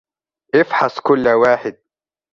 إفحص كُل واحد.